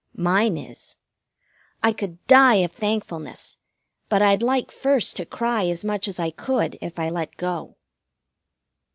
Mine is. I could die of thankfulness, but I'd like first to cry as much as I could if I let go.